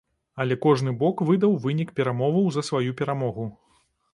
Але кожны бок выдаў вынік перамоваў за сваю перамогу.